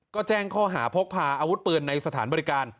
ก็แจ้งข้อหาพกพาอาวุธปืนในสถานบริการ